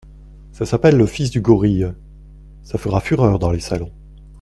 Ça s'appelle le Fils du gorille … ça fera fureur dans les salons.